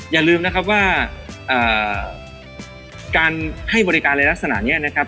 อย่าลืมนะครับว่าการให้บริการในลักษณะนี้นะครับ